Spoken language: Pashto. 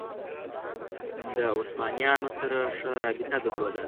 له عثمانیانو سره ښه رابطه درلوده